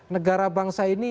negara bangsa ini